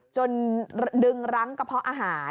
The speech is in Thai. จนดึงรั้งกระเพาะอาหาร